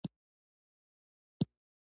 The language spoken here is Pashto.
هغه دوه کاله چې زه په کلي کښې ورسره وم.